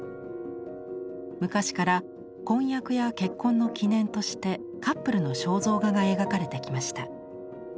昔から婚約や結婚の記念としてカップルの肖像画が描かれてきました。